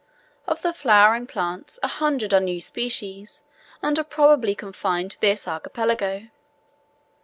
Of the flowering plants, 100 are new species, and are probably confined to this archipelago.